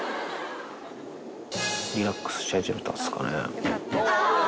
リラックスし始めたんですかね。